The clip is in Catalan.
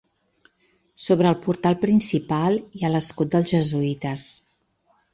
Sobre el portal principal hi ha l'escut dels jesuïtes.